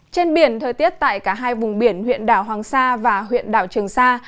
trên biển thời tiết tại cả hai vùng biển huyện đảo hoàng sa và huyện đảo trường sa